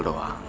gak ada masalah